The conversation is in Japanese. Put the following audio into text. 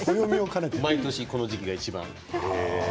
毎年この時期がいちばんです。